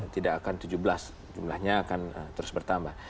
tidak akan tujuh belas jumlahnya akan terus bertambah